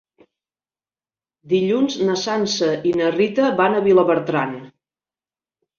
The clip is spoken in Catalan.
Dilluns na Sança i na Rita van a Vilabertran.